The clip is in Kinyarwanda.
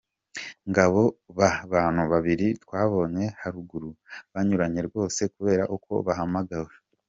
Ngabo ba bantu babiri twabonye haruguru banyuranye rwose kubera uko bahamagawe.